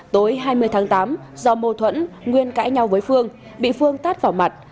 tối hai mươi tháng tám do mâu thuẫn nguyên cãi nhau với phương bị phương tát vào mặt